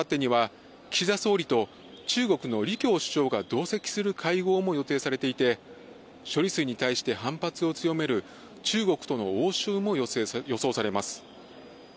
あすとあさってには岸田総理と中国のリ・キョウ首相が同席する会合も予定されていて、処理水に対して反発を強める中国との応酬も予想されます。